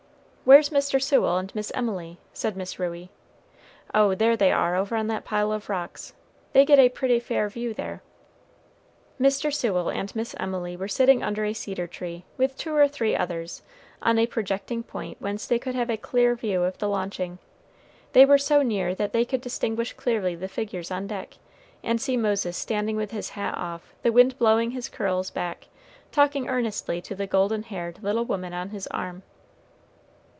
"Where's Mr. Sewell and Miss Emily?" said Miss Ruey. "Oh, there they are over on that pile of rocks; they get a pretty fair view there." Mr. Sewell and Miss Emily were sitting under a cedar tree, with two or three others, on a projecting point whence they could have a clear view of the launching. They were so near that they could distinguish clearly the figures on deck, and see Moses standing with his hat off, the wind blowing his curls back, talking earnestly to the golden haired little woman on his arm.